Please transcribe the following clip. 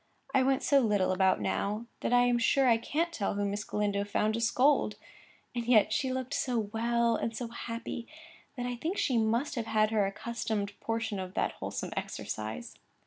I went so little about now, that I am sure I can't tell who Miss Galindo found to scold; and yet she looked so well and so happy that I think she must have had her accustomed portion of that wholesome exercise.